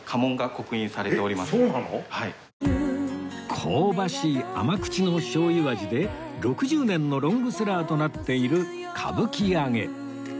香ばしい甘口のしょうゆ味で６０年のロングセラーとなっている歌舞伎揚